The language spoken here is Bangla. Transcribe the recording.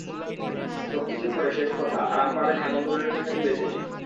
সবকিছুর পরে শেষ কথা আরাম পাবেন এমন ধরনের পোশাকেই বেছে নিন।